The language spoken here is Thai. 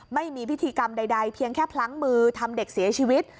ไม่มีพิธีกรรมใดเพียงแค่พลั้งมือทำเด็กเสียชีวิต